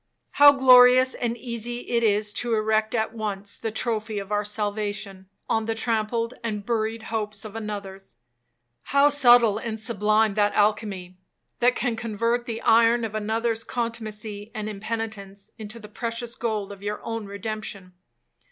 How glorious and easy it is to erect at once the trophy of our salvation, on the trampled and buried hopes of another's! How subtle and sublime that alchemy, that can convert the iron of another's contumacy and impenitence into the precious gold of your own redemption!